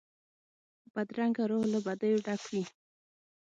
بدرنګه روح له بدیو ډک وي